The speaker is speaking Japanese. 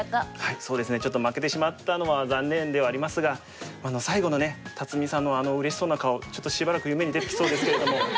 そうですねちょっと負けてしまったのは残念ではありますが最後のね辰巳さんのあのうれしそうな顔ちょっとしばらく夢に出てきそうですけれども。